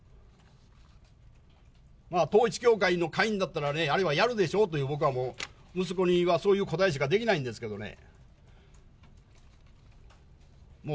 統一教会の会員だったらね、あれはやるでしょうと、僕はもう、息子にはそういう答えしかできないんですけどね。